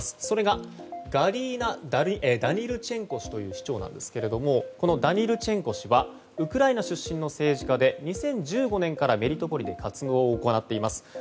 それがガリーナ・ダニルチェンコ氏という市長ですがこのダニルチェンコ氏はウクライナ出身の政治家で２０１５年からメリトポリで活動を行っています。